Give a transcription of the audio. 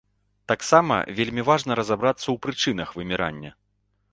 Таксама вельмі важна разабрацца ў прычынах вымірання.